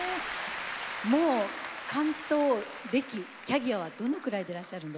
もう竿燈歴キャリアはどのくらいでらっしゃるんですか？